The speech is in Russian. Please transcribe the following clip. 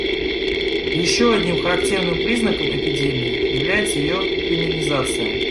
Еще одним характерным признаком эпидемии является ее феминизация.